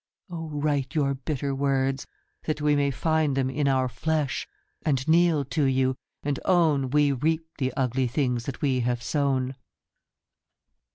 Oh write your bitter words, that we may find Them in our flesh, and kneel to you, and own We reap the ugly things that we have sown.